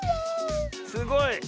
すごい。